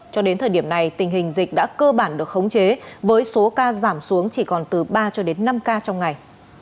cho đến thời điểm này tình hình dịch đã cơ bản được khống chế với số ca giảm xuống chỉ còn từ ba cho đến năm ca trong ngày